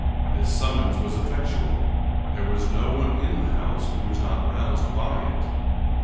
" This summons was effectual. There was no one in the house who was not roused by it.